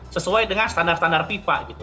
sesuai dengan standar standar fifa